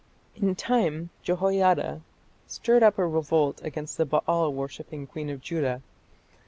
In time Jehoiada stirred up a revolt against the Baal worshipping queen of Judah.